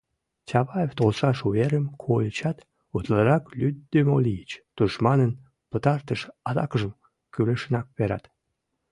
Чапаев толшаш уверым кольычат, утларак лӱддымӧ лийыч, тушманын пытартыш атакыжым кӱлешынак перат.